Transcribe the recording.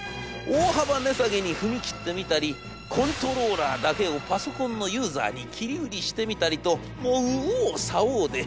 大幅値下げに踏み切ってみたりコントローラーだけをパソコンのユーザーに切り売りしてみたりともう右往左往で。